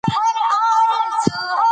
او نور به هم بډایه کېږي.